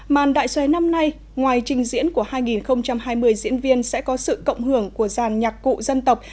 màn đại xòe năm nay ngoài trình diễn của hai nghìn hai mươi diễn viên sẽ có sự cộng hưởng của dàn nhạc cụ dân tộc